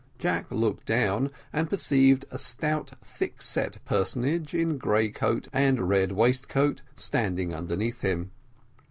Jack looked down, and perceived a stout, thick set personage in grey coat and red waistcoat, standing underneath him.